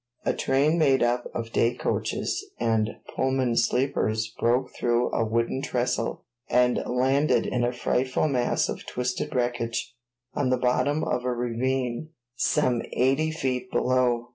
A train made up of day coaches and Pullman sleepers broke through a wooden trestle and landed in a frightful mass of twisted wreckage on the bottom of a ravine some eighty feet below.